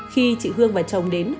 khi chị hương và chồng đến